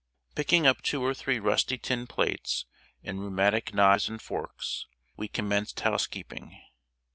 Picking up two or three rusty tin plates and rheumatic knives and forks, we commenced housekeeping.